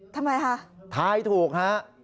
ทำไมคะทายถูกฮะ